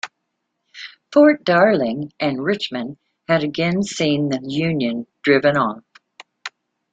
Fort Darling and Richmond had again seen the Union driven off.